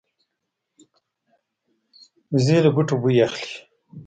وزې له بوټو بوی اخلي